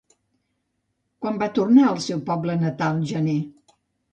Quan va tornar al seu poble natal Janer?